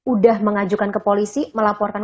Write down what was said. udah mengajukan ke polisi melaporkan